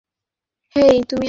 হেই, তুমি আমাকে বাঁচিয়েছো।